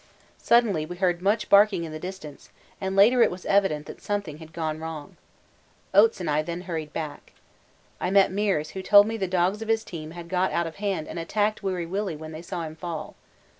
Suddenly we heard much barking in the distance, and later it was evident that something had gone wrong. Oates and then I hurried back. I met Meares, who told me the dogs of his team had got out of hand and attacked Weary Willy when they saw him fall.